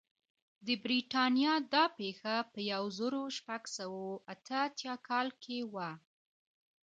د برېټانیا دا پېښه په یو زرو شپږ سوه اته اتیا کال کې وه.